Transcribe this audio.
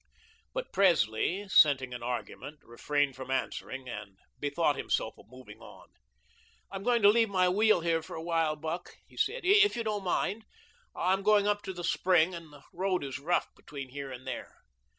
But Presley, scenting an argument, refrained from answering, and bethought himself of moving on. "I'm going to leave my wheel here for a while, Buck," he said, "if you don't mind. I'm going up to the spring, and the road is rough between here and there."